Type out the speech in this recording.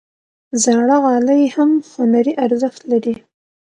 زاړه غالۍ هم هنري ارزښت لري.